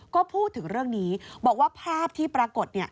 ก็พูดถึงเรื่องนี้บอกว่าภาพที่ปรากฏ